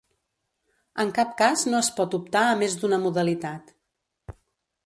En cap cas no es pot optar a més d'una modalitat.